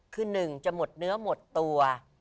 คือหนึ่งจะหมดเนื้อหมดตัว